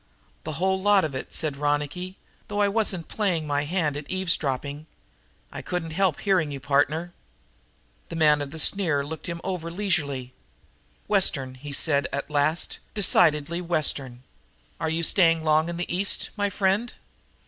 "The whole lot of it," said Ronicky, "though I wasn't playing my hand at eavesdropping. I couldn't help hearing you, partner." The man of the sneer looked him over leisurely. "Western," he said at last, "decidedly Western. "Are you staying long in the East, my friend?"